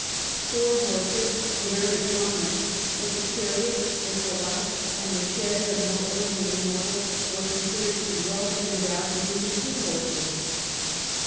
Four horses were very common, but the chariot, the calash, and the chaise of more ordinary mortals were considered to be well turned out with even two horses.